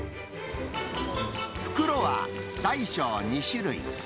袋は大小２種類。